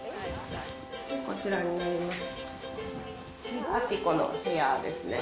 こちらになります。